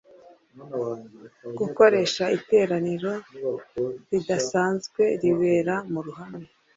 gukoresha iteraniro ridasanzwe ribera mu ruhame